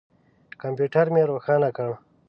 کمپیوټر مې روښانه کړ.